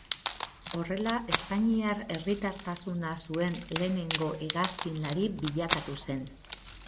Horrela espainiar herritartasuna zuen lehenengo hegazkinlari bilakatu zen.